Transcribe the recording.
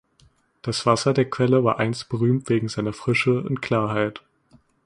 Das Wasser der Quelle war einst berühmt wegen seiner Frische und Klarheit.